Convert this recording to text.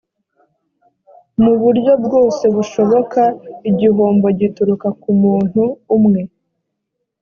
mu buryo bwose bushoboka igihombo gituruka ku muntu umwe